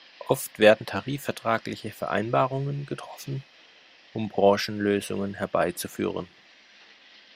Oft werden tarifvertragliche Vereinbarungen getroffen, um Branchenlösungen herbeizuführen.